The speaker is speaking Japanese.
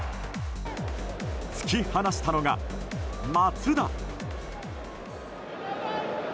突き放したのが、松田！